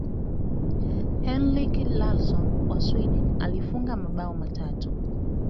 henrik larson wa sweden alifunga mabao matatu